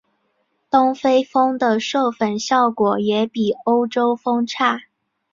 东非蜂的授粉效果也比欧洲蜂差。